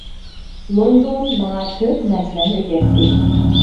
لوندون ماڭا كۆپ نەرسىلەرنى ئۆگەتتى.